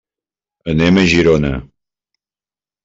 Anem a Girona.